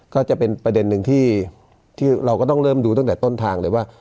ก็จะเป็นประเด็นหนึ่งที่เราก็ต้องเริ่มดูตั้งแต่ต้นทางเลยว่า